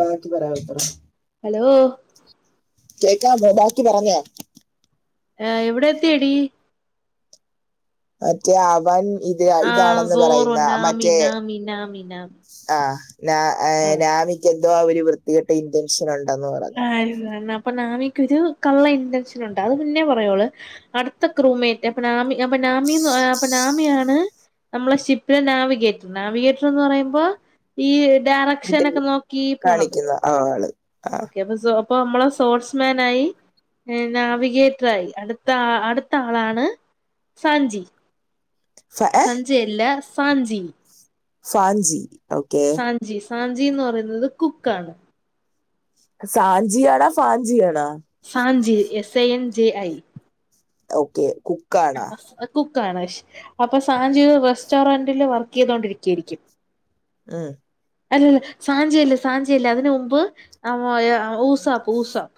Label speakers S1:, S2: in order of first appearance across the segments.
S1: ബാക്കി പറയ [unintelligible]
S2: ഹലോ
S1: കേൾക്കാം മോ ബാക്കി പറഞ്ഞ
S2: ആഹ് എവിടെ എത്തിയടി
S1: മറ്റേ അവൻ ഇത്
S2: ആഹ്
S1: ഇതാണെന്ന്
S2: സോറോ
S1: പറയുന്ന
S2: നാമി
S1: മറ്റേ..
S2: നാമി നാമി നാമി
S1: ആഹ് ന നാമികെന്തോ. ആ ഒരു വൃത്തികെട്ട ഇൻറൻഷൻ ഉണ്ടെന്ന് പറഞ്ഞു..
S2: അരിന്നണ്ണ പ്പനാമി ഒരു കള്ള ഇൻറൻഷൻണ്ട് അത് പിന്നേ പറയോള് അടുത്ത ക്രൂമേറ്റ് അപ്നാമി.. അപ്പൊ നാമി അപ്പൊ നാമിയാണ്.. നമ്മളെ ഷിപ്പിലെ നാവിഗേറ്റ് നാവിഗേറ്റർ എന്ന് പറയുമ്പോ.. ഈ ഡയറക്ഷനൊക്കെ നോക്കി പോണത്..
S1: ആഹ് ആൾ.
S2: [unintelligible] നമ്മള് സ്പോർട്സ്മാനായി. ഏഹ് നാവിഗേറ്ററായി അടുത്ത അടുത്ത ആളാണ് സാഞ്ചി..
S1: ഫ- ഏ?
S2: സഞ്ചയല്ല സാഞ്ചി..
S1: സാൻഞ്ചി. ഓക്കെ.
S2: ജി സാഞ്ചിന്ന് പറയുന്നത് കുക്കാണ്..
S1: സാഞ്ചിയാണോ. ഫാഞ്ചിയാണാ.
S2: Sanchi S A N J I.
S1: Okay cook ആണോ...
S2: കുക്ക് ആണ്ഷ് അപ്പൊ സാഞ്ചീ റസ്റ്റോറന്റില് വർക്ക് ചെയ്തോണ്ടിരിക്കായിരിക്കും.
S1: ഉം
S2: അല്ലല്ല സാഞ്ചിയല്ല. സാഞ്ചിയല്ല. അതിന് മുമ്പ് ആഹ് ഊസാപ്പ്. ഊസാപ്പ്..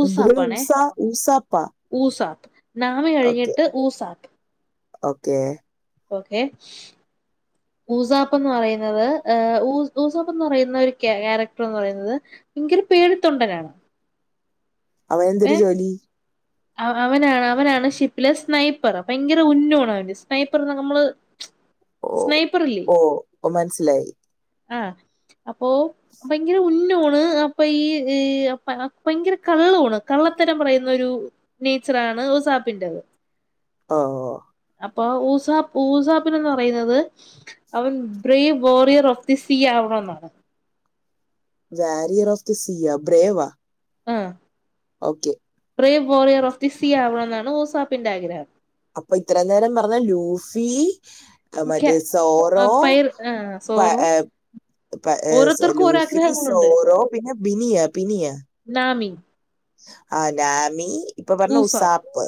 S2: ഊസാപ്പ്
S1: അന്ദ്രെരു
S2: ആണേ
S1: ലുസ. ഊസാപ്പ..
S2: ഊസാപ്പ്. നാവി കഴിഞ്ഞിട്ട് ഊസാപ്പ്.
S1: Okay..
S2: okay.
S1: [inaudible]
S2: ഊസാപ്പ് ന്ന് പറയുന്നത്. ഹ്. ഊ. ഊസാപ്പ് എന്ന് പറയുന്ന ഒരുക്യാരക്ടർ ന്ന് പറയുന്നത്.. ഭയങ്കര. പേടിത്തൊണ്ടനാണ്..
S1: അവൻ എന്തൊരു
S2: ഏ
S1: ജോലി..
S2: അവനാണ് അവനാണ് ഷിപ്പിലെ സ്നൈപ്പർ ഭയങ്കര ഉന്നോണ് അവന്റെ സ്നൈപ്പർ നമ്മള്..
S1: [inaudible]
S2: സ്നൈപ്പർ ഇല്ലേ
S1: ഓ ഓ മനസ്സിലായി
S2: ആഹ്.. അപ്പോ ഭയങ്കര ഉന്നോണ്.. അപ്പൊ ഈഈ ഭയങ്കര കള്ളോണ് കള്ളത്തരം പറയുന്ന ഒരു.. നേച്ചറാണ് ഉസാപ്പിന്റെത്..
S1: [unintelligible]
S2: അപ്പൊ ഊസ്. ഊസാപ്പിനന്ന് പറയുന്നത്.. അവൻ ബ്രി വോറിയർ ഓഫ് ദി സി ആവണോന്നാണ്..
S1: the warrior of the. Sea brave..
S2: ah
S1: okay
S2: brave warrior of the sea ആവണമെന്നാണ് ഓസാപ്പിന്റെ ആഗ്രഹം
S1: അപ്പൊ ഇത്രയും നേരം പറഞ്ഞ ലൂഫി ആ മറ്റേ സോറോ
S2: പൈർ
S1: പ
S2: സോറോ
S1: ഏ
S2: ഓരോരുത്തർക്കും ഓരോ
S1: ലൂഫിക്ക്
S2: ആഗ്രഹങ്ങളുണ്ട്
S1: സോറോ പിന്നെ ബിനിയാ പിനിയാ
S2: നാമി
S1: ആ നാമി ഇപ്പൊ പറഞ്ഞ
S2: ഊസാപ്പ്
S1: ഉസാപ്പ്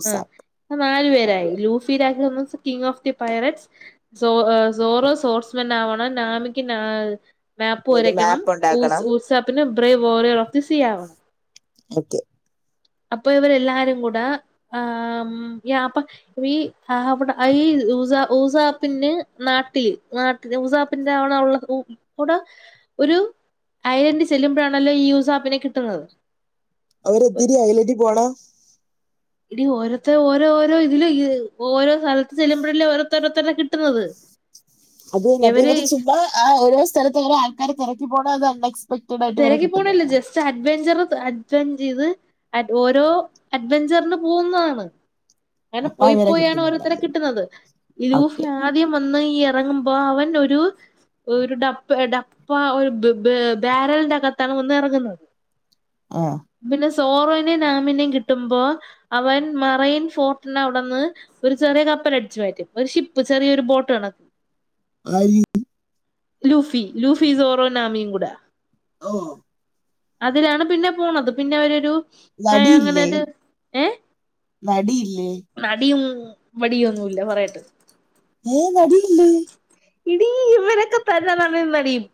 S1: ഉസാപ്പ്
S2: ആഹ് നാലു പേരായി ലൂഫി രാമസ് കിങ് ഓഫ് ദി പൈററ്റ്സ് സോ സോറോ സ്വോർട്സ്മെൻ ആവണം നാമിക്ക് ന മേപ്പ്
S1: മറ്റേ
S2: വരയ്ക്കണം
S1: മാപ്പ്
S2: ഊസ്
S1: ഉണ്ടാക്കണം
S2: ഊസപ്പിന് ബ്രേ ഓരൊ ഉളത്തി സിആവണം
S1: ഒക്കെ.
S2: അപ്പൊ ഇവരെല്ലാരും കൂടെ ആ ആം യപ്പൊ. വീ ഹവട ഈഈ ഊസ ഊസാപ്പിന്റെ നാട്ടിൽ നാ ഊസാപ്പിന്റെ ആവണ അവള ഊ ടെ. ഒരു അയലെന്റിൽ ചെല്ലുമ്പോഴാണല്ലോ ഈ യൂസ് ആപ്പിനെ കിട്ടുന്നത്
S1: അവിടെ എത്തീട്ട് അയ്ലെറ്റീ പോണം
S2: എടി ഓരോത്ത ഓരോരോ ഇതില് ഓരോ സ്ഥലത്ത് ചെല്ലുമ്പോഴല്ലേ ഓരോത്തെ ഓരോത്തരെ കിട്ടുന്നത്
S1: അത് തന്നെ അപ്പൊ ഇവര് ചെന്ന് ആ ഓരോ സ്ഥലത്ത് ഓരോ ആൾക്കാരെ തിരക്കി പോണോ അതോ എക്സ്പെക്റ്റഡായിട്ട് ഇവരെ
S2: തിരക്കി
S1: കിട്ടുന്നെ
S2: പോണില്ല ജസ്റ്റ് അഡ്വെഞ്ചർ അഡ്വെഞ്ച് ചെയ്ത് ആ ഓരോ അഡ്വെഞ്ചറിന് പോകുന്നതാണ് അങ്ങനെ
S1: അപ്പൊ
S2: പോയി
S1: അവരെ
S2: പോയാണ് ഓരോരുത്തരെ
S1: കിട്ടുന്നതാണ്
S2: കിട്ടുന്നത് ഈ ലൂഫി
S1: ഓക്കെ
S2: ആദ്യം വന്ന് ഇറങ്ങുമ്പോ അവൻ ഒരു ഒരു ഡപ്പ ഡപ്പ ഒരു ബാരലിന്റെ അകത്താണ് വന്നിറങ്ങുന്നത്
S1: ആ
S2: പിന്നെ സോറോനെയും നാമിനെയും കിട്ടുമ്പോ അവൻ മറയിൻ ഫോർട്ടിന്റവിടുന്ന് ഒരു ചെറിയ കപ്പൽ അടിച്ചു മാറ്റും ഒരു ഷിപ്പ് ചെറിയൊരു ബോട്ട് കണക്ക്
S1: ആര്
S2: ലൂഫി സോറോ നാമിയും കൂടെ
S1: ഓ
S2: അതിലാണ് പിന്നെ പോണത് പിന്നെ അവരൊരു അങ്ങനെ
S1: നടിയില്ലേ
S2: ഒരു
S1: നടിയില്ലേ
S2: നടിയും വടിയും ഒന്നും ഇല്ല പറയട്ടെ
S1: ഏ നടില്ലേ
S2: എടീ ഇവരൊക്കെ തന്നെ നടനും നടിയും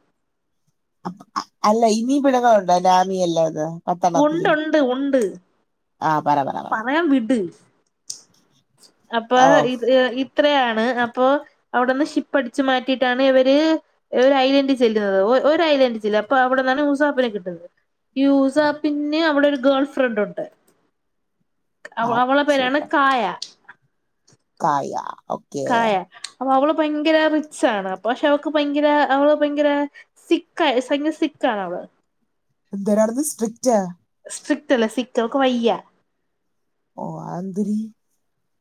S1: ആ അല്ല ഇനീം പെണ്ണുങ്ങളുണ്ട നാമി അല്ലാതെ
S2: ഉണ്ട്
S1: പത്തെണ്ണത്തില്
S2: ഉണ്ട് ഉണ്ട്
S1: ആ പറ പറ പറ
S2: പറയാൻ വിട് അപ്പൊ
S1: ഓ
S2: ഇ ഇത്രയാണ് അപ്പൊ അവിടെന്ന് ഷിപ്പടിച്ചു മാറ്റിയിട്ടാണ് ഇവര് ഒരു ഐലൻഡ് ചെല്ലുന്നത് ഒരു ഐലൻഡ് ചെല്ല അപ്പൊ അവിടെന്നാണ് ഊസാപ്പിനെ കിട്ടുന്നത് ഈ ഉസാ പിന്ന് അവിടെ ഒരു ഗേൾ ഫ്രണ്ട് ഉണ്ട് അവ
S1: ആ
S2: അവളെ പേരാണ്
S1: സൂപ്പർ
S2: കായ
S1: കായ ഓക്കെ
S2: കായ അപ്പൊ അവള് ഭയങ്കര റിച്ച് ആണ് പക്ഷെ അവക്ക് ഭയങ്കര അവള് ഭയങ്കര സിക്കായ സിക്കാണ് അവള്
S1: എന്തേരാണെന്ന് സ്ട്രിക്റ്റ
S2: സ്ട്രിക്ട് അല്ല സിക്ക് അവക്ക് വയ്യ
S1: ഓ ആന്തെര്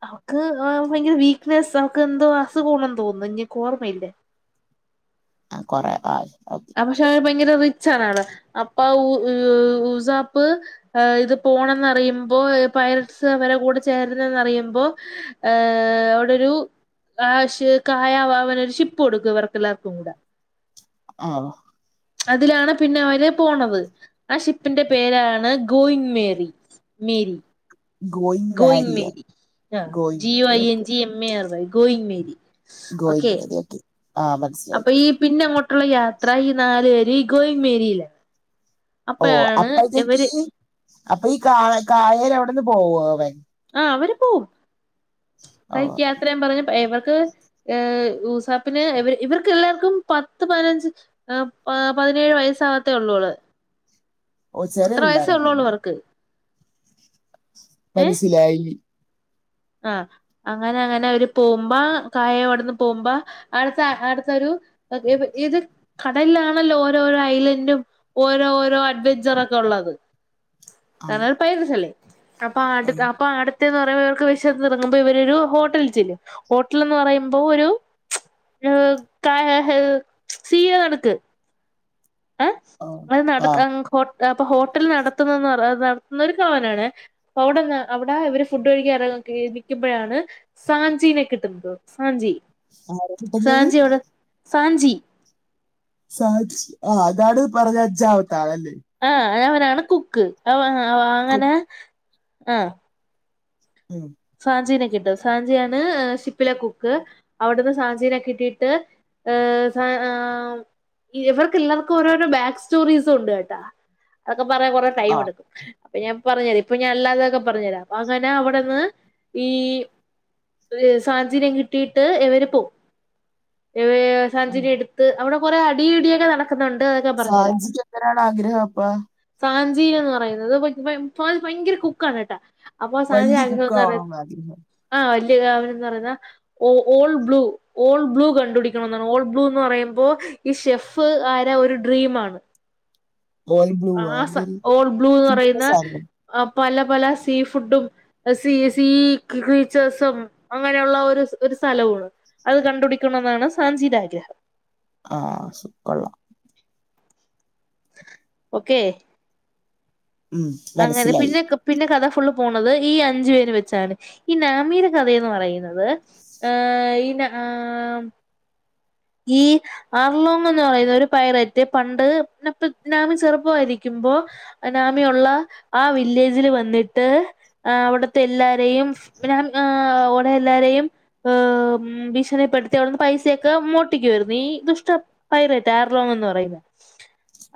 S2: അവക്ക് ഭയങ്കര വീക്ക്നെസ്സ് അവക്ക് എന്തോ അസുഖാണെന്ന് തോന്നുന്നു ഇനിക്ക് ഓർമ്മയില്ല
S1: ആ കൊറേ ആ ഓക്കെ
S2: പക്ഷെ ഭയങ്കര റിച്ച് ആണ് ആള് അപ്പം ഉ ഉസാപ്പ് ഇത് പോണന്ന്റിയുമ്പോ പൈലസ് അവരെ കൂടെ ചേരുന്നന്നറിയു പ്പോ ഏ അവിടൊരു കാശ് കായവാവന ഒര് ഷിപ്പ് കൊടുക്കും ഇവർക്കെല്ലാവർക്കും കൂടെ
S1: ആഹ്
S2: അതിലാണ് പിന്നെ അവര് പോണത് ആ ഷിപ്പിന്റെ പേരാണ് going merry Mary going Mary ആ
S1: ഗോയിങ്
S2: ജി ഒ
S1: വാരി
S2: I N
S1: okay
S2: G M A R Y going Mary
S1: going Mary okay ആ മനസ്സിലായി
S2: അപ്പൊ ഈ പിന്നെ അങ്ങോട്ടുള്ള യാത്ര ഈ നാല് പേര് ഈ ഗോയിങ്ങ് മേരിയിലാ
S1: ഓ അപ്പഴത്തേക്കി അപ്പ ഈ കാ കായേടെ അവിടിന്ന് പോവോ അവൻ
S2: ആ അവര് പോവും
S1: ഓ
S2: കയ്ക് യാത്രയും പറഞ്ഞ് ഇവർക്ക് ഏ ഉസാപ്പിന് ഇവര് ഇവർക്ക് എല്ലാർക്കും പത്ത് പതിനഞ്ച് ആ പതിനേഴ് വയസ്സാവത്തേ ഒള്ളൂ അവള്
S1: ഓ ചെറിയ
S2: അത്ര വയസ്സേ ഒള്ളോള്ളൂ
S1: പിള്ളേരാണല്ലേ
S2: അവർക്ക് ഏഹ്
S1: മനസ്സിലായി
S2: ആഹ് അങ്ങനെ അങ്ങനെ അവര് പോവുമ്പ കായോവിട്ന്ന് പോമ്പ അടുത്ത അടുത്തോരു ഇത് കടലിലാണല്ലോ ഓരോരോ ഐലൻഡും ഓരോ ഓരോ അഡ്വെഞ്ചറോക്കെ ഒള്ളത്
S1: ആണ്
S2: കാരണം പൈലസല്ലേ അപ്പാടു
S1: ഉം.
S2: അപ്പ അടുത്തെന്ന് പറയുമ്പോ ഇവർക്ക് ചെന്നിറങ്ങുമ്പോ ഇവരോരു ഹോട്ടലി ചെല്ലും ഹോട്ടൽ എന്ന് പറയുമ്പോ ഒരു [unintelligible] സീയ കണക്ക് ഏയ്
S1: ഓ
S2: അത്
S1: ആ
S2: നടത്ത [unintelligible] ഹോ അപ്പ ഹോട്ടൽ നടത്തുന്നെന്ന് പറ നടത്തുന്നത് ഓനാണേ അപ്പവിടെന്നന്ന് അവടാ ഇവര് ഫുഡ് കഴിക്കാ എറ നിക്കുമ്പോഴാണ് സാഞ്ചീനെ കിട്ടുന്നത് സാഞ്ചി
S1: ആരാ കിട്ടുന്നത്
S2: സാഞ്ചിയോട് സാഞ്ചി
S1: സാഞ്ചി ആ അതാണ് പറഞ്ഞ അഞ്ചാമത്തെ ആളല്ലേ
S2: ആഹ് അവനാണ് കുക്ക് അവ അവ
S1: കു-
S2: അങ്ങനെ ആഹ്
S1: മ്
S2: സാഞ്ചിനെ കിട്ടും സാഞ്ചിയാണ് ഷിപ്പിലെ കുക്ക് അവിടുന്ന് സാഞ്ചീനെ കിട്ടിട്ട് [unintelligible] ഇവർക്ക് എല്ലാർക്കും ഓരോരോ ബാക്ക് സ്റ്റോറീസ് ഒണ്ട് കേട്ടാ അതൊക്കെ പറയാ കുറേ ടൈം
S1: ആ
S2: എടുക്കും അപ്പ ഞാൻ പറഞ്ഞു തരാം ഇപ്പ ഞാൻ അല്ലാതൊക്കെ പറഞ്ഞെരാ അങ്ങനെ അവടെന്ന് ഈ സാഞ്ചിനിയും കിട്ടിയിട്ട് എവര് പോം
S1: ഉം.
S2: സാഞ്ചിനിയും എടുത്ത് അവടെ കൊറെ അടി ഇടിയൊക്കെ നട ക്കുന്നോണ്ട്
S1: സാഞ്ചിനിക്ക എങ്ങനാണ് ആഗ്രഹം അപ്പം
S2: സാഞ്ചീ എന്ന് പറയുന്നത് ഭയങ്കര കുക്കാണ് കേട്ടാ അപ്പൊ സാഞ്ചി
S1: വലിയ
S2: ആഗ്ര
S1: കുക്കാവണം എന്ന് ആഗ്രഹം
S2: ആഹ് വല്യയ അവനെന്ന് പറയുന്ന ഓ ഓൾ ബ്ലൂ ഓൾ ബ്ലൂ കണ്ടു പിടിക്കണോന്നാണ് ഓൾ ബ്ലൂ എന്ന് പറയുമ്പോ ഈ ഷെഫ് ആരാ ഒര് ഡ്രീം ആണ്
S1: ഓൾ ബ്ലൂ
S2: ആ സ
S1: എന്തൊരു
S2: ഓൾ ബ്ലൂ എന്ന്
S1: ഇതിന്റെ
S2: പറയുന്ന
S1: സാധനം
S2: ആ പല പല സീ ഫുഡും സീ [unintelligible] അങ്ങനെയോള്ള ഒരു ഒര് സ്ഥലവു ആണ് അത് കണ്ടുടിക്കണോന്നാണ് സാഞ്ചിടെ ആഗ്രഹം
S1: ആ സു കൊള്ളാം
S2: ഓക്കെ
S1: ഉം
S2: അങ്ങനെ
S1: മനസ്സിലായി
S2: പിന്നെ കു പിന്നെ കഥ ഫുള്ള് പോണത് ഈ അഞ്ചു പേര് വെച്ചാണ് ഈ നാമീടെ കഥയന്ന് പറയുന്നത് ആ ഇ നാ ആം ഈ ആർലോങ് എന്ന് പറയുന്ന ഒരു പൈററ്റ് പണ്ട് നപ്പനാമി ചെറുപ്പമായിരിക്കുമ്പോ അനാമിയുള്ള ആ വില്ലേജില് വന്നിട്ട് ആ അവിടുത്തെ എല്ലാരെയും ഞൻ ഓടെ എല്ലാരെയും ആഹ് ഉം ഭീഷണിപ്പെടുത്തി അവിടുന്ന് പൈസയൊക്കെ മു കുട്ട വരുന്നു ഈ ദുഷ്ട പൈരറ്റ ആർലോ എന്ന് പറയുന്നെ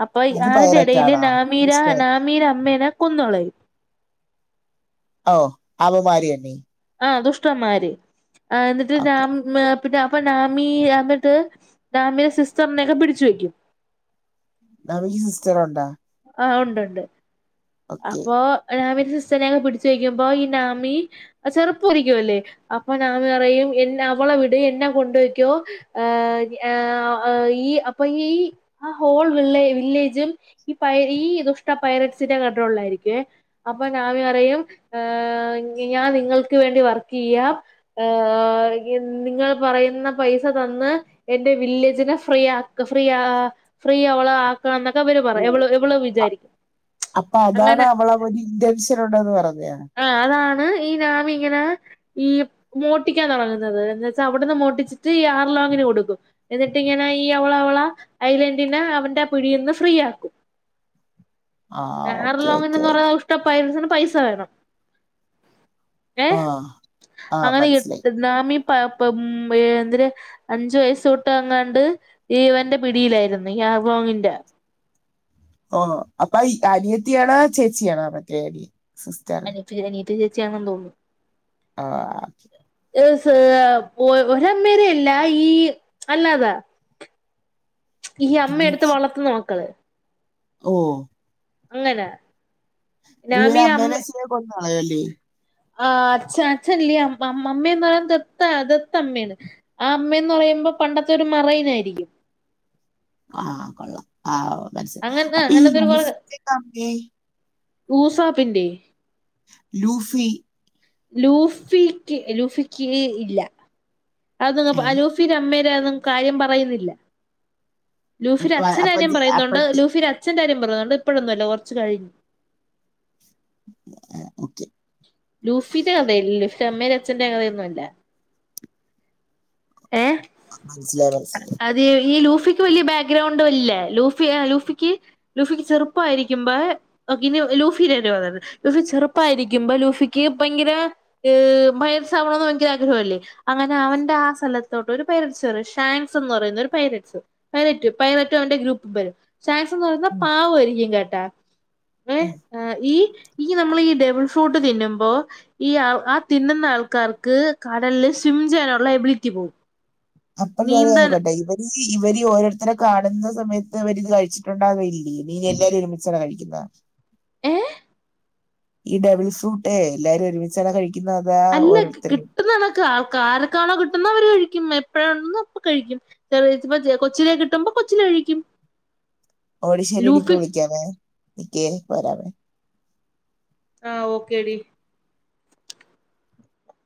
S2: അപ്പൊ
S1: അത്
S2: അതിന്റെ
S1: പൈററ്റ്
S2: എടീൽ
S1: ആണോ
S2: നാമീര
S1: സിസ്റ്റർ
S2: നാമീരെ അമ്മേനെ കൊന്ന്കളയും
S1: ഓ അവമാരിയെന്നെ
S2: ആ ദുഷ്ടന്മാര് ആ എന്നിട്ട് നാ
S1: ഓക്കെ
S2: മേ പിന്നെ അപ്പൊ നാമി അന്ന്ട്ട് നാമിയെ സിസ്റ്ററിനക്കെ പിടിച്ചു വെക്കും
S1: നാമിക്ക് സിസ്റ്ററൊണ്ടോ?
S2: ആഹ് ഉണ്ട് ഉണ്ട്
S1: ഓക്കെ
S2: അപ്പൊ നാമിന്റെ സിസ്റ്ററിനെയൊക്കെ പിടിച്ചുവെക്കുമ്പോ ഈ നാമി ചെറുപ്പമായിരിക്കുവല്ലേ അപ്പൊ നാമി പറയും എന്ന അവളെ വിട് എന്നെ കൊണ്ടൊയ്ക്കോ. ഈ അപ്പൊ ഈ ആ ഹോൾ വിള്ളെ വില്ലേജും ഈ പയെ ഈ ദുഷ്ട പൈരറ്റ്സിന്റെ കണ്ട്റോൾള്ളായിരിക്കേ അപ്പൊ നാമി പറയും ഏ ഞാൻ നിങ്ങൾക്ക് വേണ്ടി വർക്കയ്യാം ഏഹ് നിങ്ങൾ പറയുന്ന പൈസ തന്ന് എന്റെ വില്ലേജിനെ ഫ്രീ ആ ഫ്രീ ഫ്രീ അവളെ ആക്കണം എന്നൊക്കെ പറയും ഇവള് ഇവള്
S1: അ
S2: വിചാരിക്കും
S1: അപ്പൊ
S2: അങ്ങനെ
S1: അതാണ് അവളെ ഒരു ഇൻഡൻസ് ഉണ്ടന്ന് പറഞ്ഞെ
S2: ആ അതാണ് ഈ നാമിങ്ങനെ ഈ മോട്ടിക്കാൻ തൊടങ്ങുന്നത് എന്ന് വെച്ചാ അവിടുന്ന് മോട്ടിച്ചിട്ട് ഈ ആർലോങ്ങിന് കൊടുക്കും എന്നിട്ട് ഇങ്ങനെ ഈ അവള അവള ഐലന്റിനെ അവന്റെ ആ പിടിയിന്ന് ഫ്രീ ആക്കി
S1: ആ ഓക്കെ
S2: ഏർലോങ്ങന്ന്
S1: ഓക്കെ
S2: പറയ്ന്ന ദുഷ്ട്ട പയ്ററ്റിന് പൈസ വേണം ഏ
S1: ആ ആ
S2: അങ്ങനെ
S1: മനസ്സിലായി
S2: എട്ട നാമി പ എന്തിന് അഞ്ചു വയസ്സ തൊട്ട് അങ്ങാണ്ട് ഇവന്റെ പിടിയിലായിരുന്നു യാഗോങ്ങിന്റെ
S1: ഓ അപ്പൊ അനിയത്തിയാണാ ചേച്ചിയണാ മറ്റേടി സിസ്റ്റർ
S2: അനിയ അനിയത്തിം ച്ചേച്ചിയണെന്ന് തോന്നുന്നു.
S1: ആഹ്
S2: ഏ ഒര അമ്മേരയല്ല ഈ അല്ലാതാ ഈ അമ്മ
S1: എന്ന്
S2: എടുത്ത്
S1: വെച്ച്
S2: വളർത്തുന്ന മക്കള്
S1: ഓ
S2: അങ്ങനെ
S1: ഇര്
S2: നാമീനെ അമ്മ
S1: അമ്മേനെ [unintelligible] കൊന്നെളയല്ലേ
S2: ആ അച്ഛ അച്ഛല്ല്യ അമ്മന്ന് പറയാൻ ദത്താ ദത്ത അമ്മയാണ് ആ അമ്മയന്ന് പറയുമ്പോ പണ്ടത്തെ ഒരു മറയിനായിരിക്കും
S1: ആഹ് കൊള്ളാം ആ മനസ്സ്
S2: അങ്ങനത്തെ
S1: അപ്പൊ ഈ
S2: അങ്ങനത്തെ
S1: [unintelligible]
S2: ഊസാപ്പിൻ്റെ
S1: ലൂഫി
S2: ലൂഫി ക്ക് ലൂഫിക്ക് ഇല്ല അതു
S1: ഏ,
S2: അലൂ ലുഫിന്റെ അമ്മേര് ഒന്നും കാര്യം പറയുന്നില്ല ലൂഫിന്റെ
S1: അപ്പൊ
S2: അച്ഛന്റെ
S1: അപ്പൊ
S2: കാര്യം
S1: ഇത്
S2: പറയുന്നുണ്ട്
S1: അപ്പഴത്തെ
S2: ലൂഫിന്റെ അച്ഛന്റെ കാര്യം പറയുന്നുണ്ട് അത് ഇപ്പഴൊന്നുല്ല കൊറച്ച് കഴിഞ്ഞു
S1: [unintelligible] ഓക്കെ
S2: ലൂഫിന്റെ കഥയില്ല ലൂഫി അമ്മേന്റേം അച്ഛന്റെ കഥയൊന്നുംഅല്ല ഏഹ്
S1: മനസ്സിലായി മൻസിലായി
S2: അതെ ഈ ലൂഫിക്ക് വലിയ ബാക്ക്ഗ്രൗണ്ട്ല്ലേ ലൂഫി ലൂഫിക്ക് ലൂഫിക്ക് ചെർപ്പായിരിക്കുമ്പോ ഇ ലൂഫി [unintelligible] ലൂഫി ചെറുപ്പായിരിക്കുമ്പോ ലൂഫിക്ക് ക്ക് ഭയങ്കര ബയസാവണന്ന് ഒക്കെ ഭയങ്കര ആഗ്രഹവല്ലേ അങ്ങനെ അവന്റെ ആ സ്ഥലത്തോട്ട് ഒരു പൈരട്സ് പറ ഷാങ്സ് എന്ന് പറയുന്ന ഒരു പൈരട്സ് പൈലറ്റ് പൈലറ്റും അവന്റെ ഗ്രൂപ്പും വരും സാങ്സൺ എന്ന് പറയ
S1: ഉം,
S2: പാവമായിരിക്കും കേട്ടാ ഏ
S1: ഉം
S2: ഈ ഈ നമ്മൾ ഈ ഡബിൾ ഫ്രൂട്ട് തിന്നും അപ്പോ ഈ ആ ആ തിന്നുന്ന ആൾക്കാർക്ക് കടലിൽ സ്വിം ചെയ്യാനുള്ള എബിലിറ്റി പോകും
S1: അപ്പം
S2: നീന്താൻ
S1: ഞാനായിക്കോട്ടെ ഇവൻ ഇവര് ഈ ഓരോരുത്തരെ കാണുന്ന സമയത്ത് ഇവരിത് കഴിച്ചിട്ടുണ്ടാകയില്ല ഇനീ എല്ലാവരും ഒരുമിച്ചാണ കഴിക്കുക
S2: ഏഹ
S1: ഈ ഡബിൾ ഫ്രൂട്ടേ എല്ലാരും ഒരുമിച്ചാണ് കഴിക്കുന്നത് അതാ ഓരോരുത്തരും
S2: ആർക്കാണോ കിട്ടുന്ന അവര് കഴിക്കും എപ്പഴ ഉണ്ട അപ്പൊ കഴിക്കും ചെറിയപ്പ കൊച്ചിലെ കിട്ടുമ്പോ കൊച്ചില കഴിക്കും
S1: ഓഹ്ടി ശരിടി ഇപ്പൊ
S2: ലൂഫി
S1: വിളിക്കാവേ നിക്കേ പോരാമേ.
S2: ആഹ് ഓക്കേടി